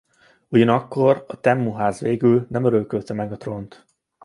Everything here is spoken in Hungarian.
Ugyanakkor a Tenmu-ház végül nem örökölte meg a trónt.